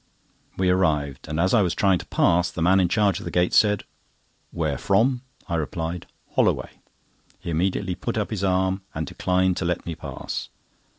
We arrived; and as I was trying to pass, the man in charge of the gate said: "Where from?" I replied: "Holloway." He immediately put up his arm, and declined to let me pass.